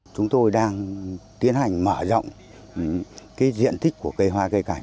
chúng tôi đang tiến hành mở rộng diện tích của cây hoa cây cảnh